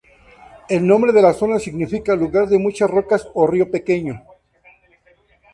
El nombre de la zona significa "lugar de muchas rocas" o "río pequeño".